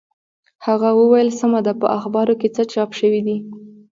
هغه وویل سمه ده په اخبارو کې څه چاپ شوي دي.